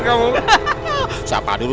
hai wah hebat kamu